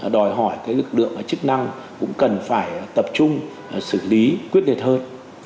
đòi hỏi lực lượng chức năng cũng cần phải tập trung xử lý quyết liệt hơn